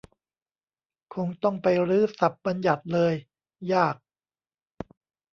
คงต้องไปรื้อศัพท์บัญญัติเลย ยาก